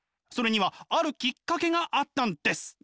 それにはあるきっかけがあったんです。